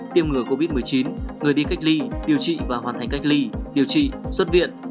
tiêm ngừa covid một mươi chín người đi cách ly điều trị và hoàn thành cách ly điều trị xuất viện